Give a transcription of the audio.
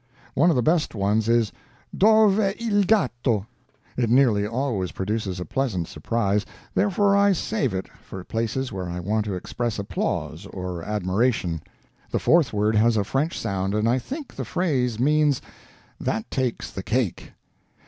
One of the best ones is dov è il gatto. It nearly always produces a pleasant surprise, therefore I save it up for places where I want to express applause or admiration. The fourth word has a French sound, and I think the phrase means "that takes the cake."